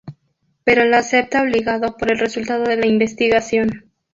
Pero la acepta obligado por el resultado de la investigación.